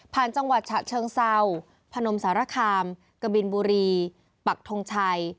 จังหวัดฉะเชิงเศร้าพนมสารคามกะบินบุรีปักทงชัย